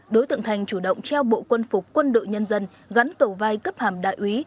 đối tượng thành chủ động treo bộ quân phục quân đội nhân dân gắn cầu vai cấp hàm đại úy